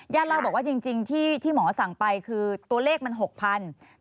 เล่าบอกว่าจริงที่หมอสั่งไปคือตัวเลขมัน๖๐๐บาท